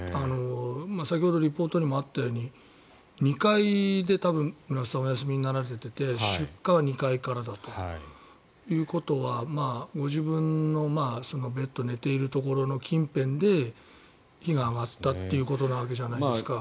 先ほどリポートにもあったように２階で多分、村田さんはお休みになられていて出火は２階からだったということはご自分のベッド寝ているところの近辺で火が上がったということのわけじゃないですか。